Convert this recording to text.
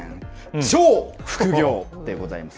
超副業でございます。